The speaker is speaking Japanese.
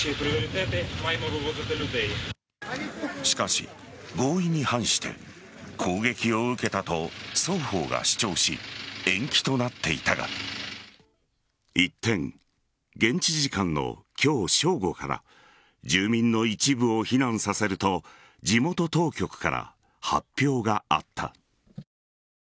しかし、合意に反して攻撃を受けたと双方が主張し延期となっていたが一転、現地時間の今日正午から住民の一部を避難させると地元当局から発表があった。